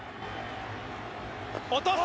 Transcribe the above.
落とす！